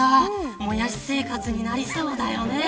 もやし生活になりそうだよね。